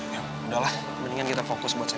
ya udah lah mendingan kita fokus buat sesuatu